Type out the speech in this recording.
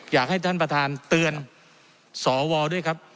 อยากให้ท่านประธานเตือนสวด้วยครับ